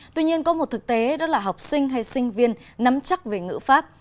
tuy nhiên có một thực tế đó là học sinh hay sinh viên nắm chắc về ngữ pháp